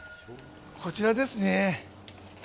こちらですね。